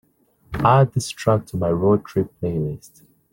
add this track to my road trip playlist